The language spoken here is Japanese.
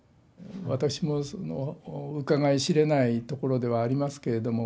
私もうかがい知れないところではありますけれども。